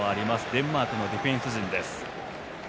デンマークのディフェンス陣。